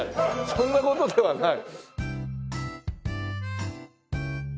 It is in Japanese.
そんな事ではない。